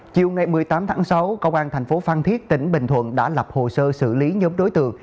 chiều ngày một mươi tám tháng sáu công an thành phố phan thiết tỉnh bình thuận đã lập hồ sơ xử lý nhóm đối tượng